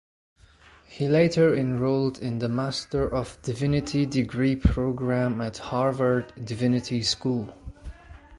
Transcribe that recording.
He later enrolled in the Master of Divinity degree program at Harvard Divinity School.